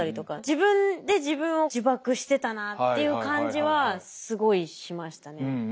自分で自分を呪縛してたなっていう感じはすごいしましたね。